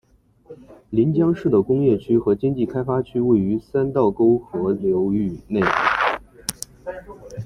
临江市的工业区和经济开发区位于三道沟河流域内。